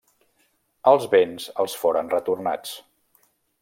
Els béns els foren retornats.